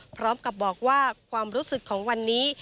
พร้อมกับบอกว่าความรู้สึกของวันนี้